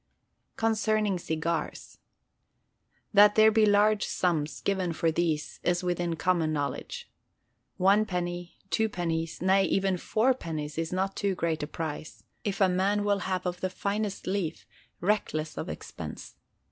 Concerning Cigars: That there be large sums given for these is within common knowledge. 1_d.,_ 2_d.,_ nay even 4_d.,_ is not too great a price, if a man will have of the finest leaf, reckless of expense.